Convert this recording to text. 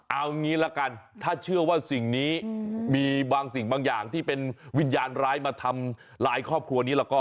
เอางี้ละกันถ้าเชื่อว่าสิ่งนี้มีบางสิ่งบางอย่างที่เป็นวิญญาณร้ายมาทำร้ายครอบครัวนี้แล้วก็